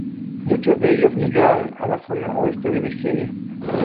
Muchos de ellos migraron a la zona oeste de Virginia.